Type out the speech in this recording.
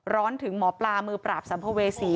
ร้อนถึงหมอปลามือปราบสัมภเวษี